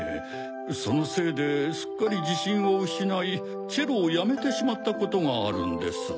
そのせいですっかりじしんをうしないチェロをやめてしまったことがあるんです。